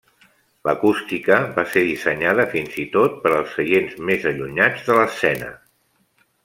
L'acústica va ser dissenyada fins i tot per als seients més allunyats de l'escena.